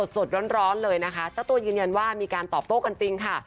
สดร้อนเลยนะคะเจ้าตัวยืนยันว่ามีการตอบโต้กันจริงค่ะ